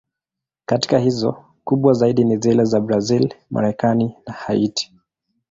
Katika hizo, kubwa zaidi ni zile za Brazil, Marekani na Haiti.